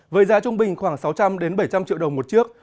với giá trung bình khoảng sáu trăm linh bảy trăm linh triệu đồng một chiếc